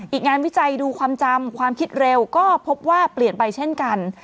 อีกงานวิจัยดูความจำความคิดเร็วก็พบว่าเปลี่ยนไปเช่นกัน